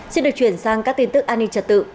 xin được chuyển sang các tin tức an ninh trật tự